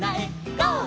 ゴー！」